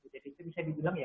jadi itu bisa dibilang ya